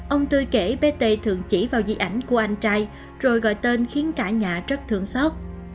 ông tươi kể bé t thường chỉ vào dị ảnh của anh trai rồi gọi tên khiến cả nhà rất thương xót